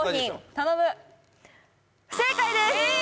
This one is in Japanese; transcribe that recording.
頼む不正解ですええ